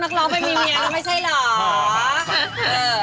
ร้องไปมีเมียแล้วไม่ใช่เหรอ